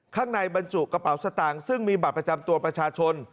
ข้างในบรรจุกระเป๋าสตางค์ซึ่งมีบัตรประจำตัวประชาชน